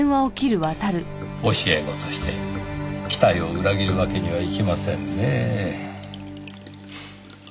教え子として期待を裏切るわけにはいきませんねぇ。